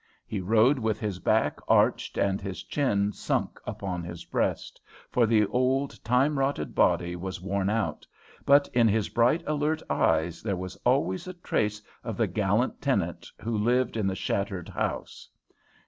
He rode with his back arched and his chin sunk upon his breast, for the old, time rotted body was worn out, but in his bright, alert eyes there was always a trace of the gallant tenant who lived in the shattered house.